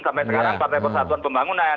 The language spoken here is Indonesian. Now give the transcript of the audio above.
sampai sekarang partai persatuan pembangunan